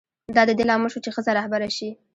دا د دې لامل شو چې ښځه رهبره شي.